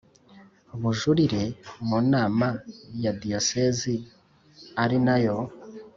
Bujurire mu nama ya diyosezi ari nayo